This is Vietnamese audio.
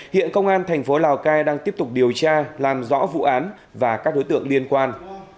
hiện công an thành phố lào cai đang tiếp tục điều tra làm rõ vụ án và các đối tượng liên quan